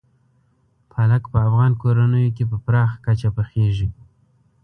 پالک په افغان کورنیو کې په پراخه کچه پخېږي.